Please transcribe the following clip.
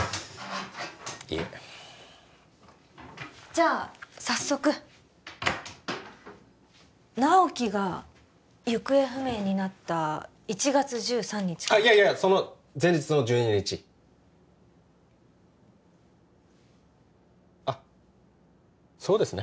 いえじゃあ早速直木が行方不明になった１月１３日からいやいやその前日の１２日あっそうですね